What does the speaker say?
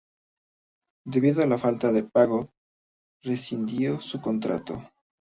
Debido la falta de pago rescindió su contrato.